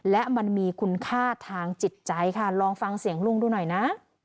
และมันมีคุณค่าทางจิตใจค่ะลองฟังเสียงลุงดูหน่อยนะ